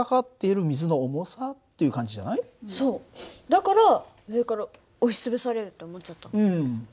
だから上から押し潰されるって思っちゃった。